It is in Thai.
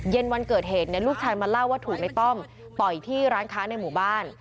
วันเกิดเหตุลูกชายมาเล่าว่าถูกในต้อมต่อยที่ร้านค้าในหมู่บ้าน